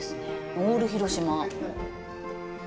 オール広島！